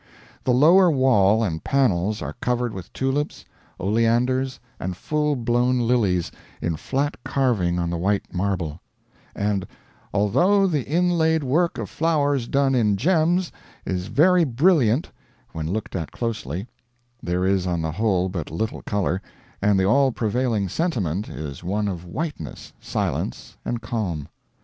The lower wall and panels are covered with tulips, oleanders, and fullblown lilies, in flat carving on the white marble; and although the inlaid work of flowers done in gems is very brilliant when looked at closely, there is on the whole but little color, and the all prevailing sentiment is one of whiteness, silence, and calm.